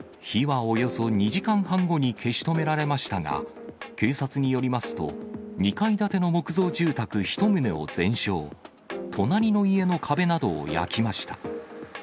火はおよそ２時間半後に消し止められましたが、警察によりますと、２階建ての木造住宅１棟を全焼、隣の家の壁などを焼きました。